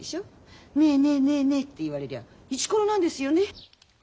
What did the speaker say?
ねえねえねえねえって言われりゃいちころなんですよね。